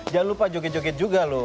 jangan lupa joget joget juga loh